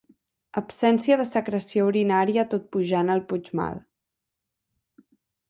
Absència de secreció urinària tot pujant al Puigmal.